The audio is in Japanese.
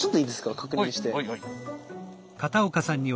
確認して。